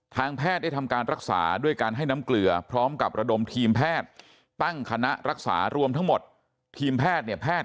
ทางแพทย์ได้ทำการรักษาด้วยการให้น้ำเกลือ